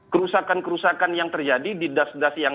kerusakan kerusakan yang terjadi di das das yang